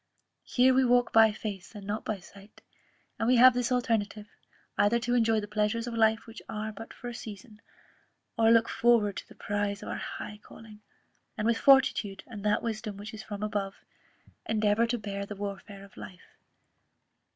Here we walk by faith, and not by sight; and we have this alternative, either to enjoy the pleasures of life which are but for a season, or look forward to the prize of our high calling, and with fortitude, and that wisdom which is from above, endeavour to bear the warfare of life.